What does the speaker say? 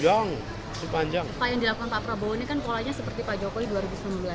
apa yang dilakukan pak prabowo ini kan polanya seperti pak jokowi dua ribu sembilan belas